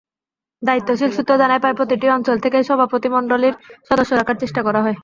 দায়িত্বশীল সূত্র জানায়, প্রায় প্রতিটি অঞ্চল থেকেই সভাপতিমণ্ডলীর সদস্য রাখার চেষ্টা করা হয়।